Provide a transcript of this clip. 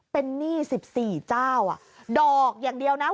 เป็นหนี้๑๔เจ้าดอกอย่างเดียวนะ